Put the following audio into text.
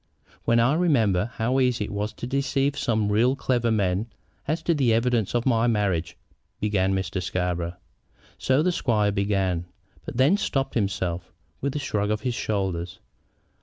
"When I remember how easy it was to deceive some really clever men as to the evidence of my marriage " began Mr. Scarborough. So the squire began, but then stopped himself, with a shrug of his shoulders.